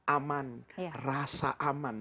aman rasa aman